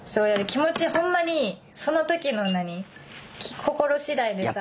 気持ちほんまにその時の何心次第でさ。